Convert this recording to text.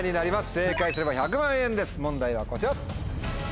正解すれば１００万円です問題はこちら。